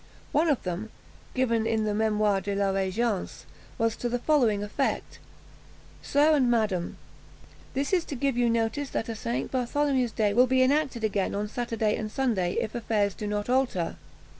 One of them, given in the Mémoires de la Régence, was to the following effect: "Sir and madam, This is to give you notice that a St. Bartholomew's Day will be enacted again on Saturday and Sunday, if affairs do not alter.